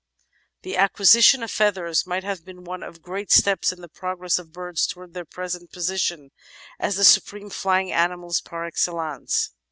The acquisition of feathers must have been one of the great steps in the progress of birds towards their present position as the supreme flying animals par excellence.